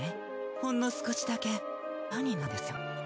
ほんの少しだけ嫌になったんですよ。